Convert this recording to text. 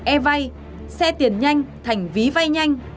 e vay xe tiền nhanh thành ví vay nhanh